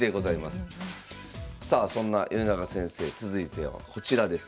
さあそんな米長先生続いてはこちらです。